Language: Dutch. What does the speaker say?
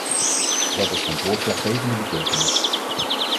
Dat is van doorslaggevende betekenis!